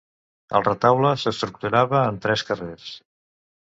El retaule s'estructurava en tres carrers.